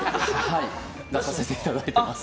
出させていただいています。